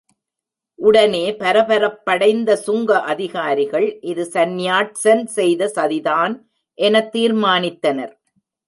உடனே பரபரப்படைந்த சுங்க அதிகாரிகள், இது சன்யாட்சன் செய்த சதிதான் என தீர்மானித்தனர்.